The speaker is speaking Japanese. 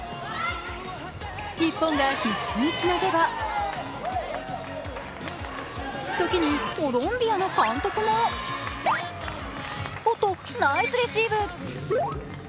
日本が必死につなげば時にコロンビアの監督もおっと、ナイスレシーブ！